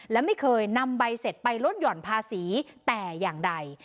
และไม่เคยนำใบเสร็จไปลดหย่อนภาษีแต่อย่างใด